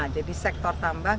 jadi sektor tambang